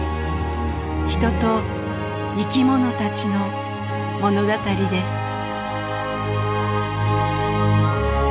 人と生き物たちの物語です。